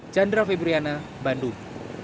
chandra febriana bandung